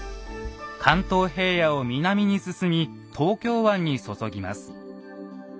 関東平野を南に進み東京湾に注ぎます。